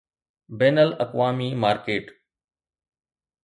بين الاقوامي مارڪيٽ